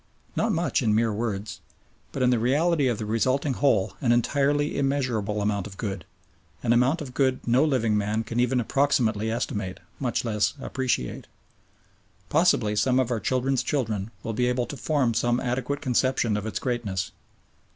Not much in mere words, but in the reality of the resulting whole an entirely immeasurable amount of good an amount of good no living man can even approximately estimate, much less appreciate. Possibly some of our children's children will be able to form some adequate conception of its greatness.